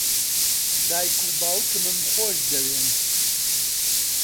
دایک و باوکمم خۆش دەوێن.